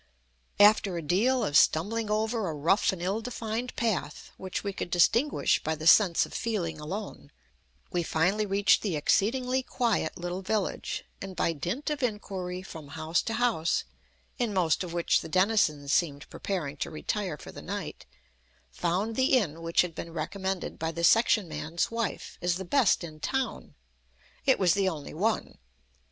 After a deal of stumbling over a rough and ill defined path, which we could distinguish by the sense of feeling alone, we finally reached the exceedingly quiet little village, and by dint of inquiry from house to house, in most of which the denizens seemed preparing to retire for the night, found the inn which had been recommended by the section man's wife as the best in town. It was the only one.